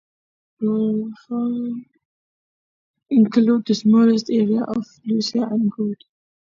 Zografou includes the smaller areas of Ilissia and Goudi.